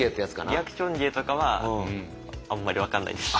リアクション芸とかはあんまり分かんないです。